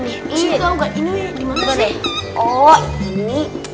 ini tau gak ini dimana sih